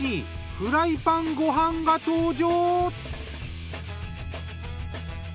フライパンご飯が登場。